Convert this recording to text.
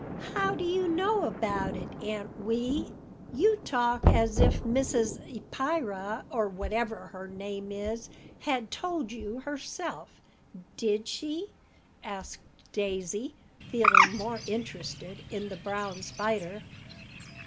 "How do you know about it, Aunt Wee? You talk as if Mrs. Eppyra or whatever her name is had told you herself. Did she?" asked Daisy, feeling more interested in the brown spider.